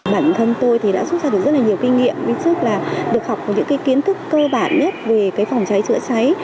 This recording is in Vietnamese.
bản thân tôi thì đã xuất ra được rất là nhiều kinh nghiệm trước là được học những cái kiến thức cơ bản nhất về cái phòng cháy chữa cháy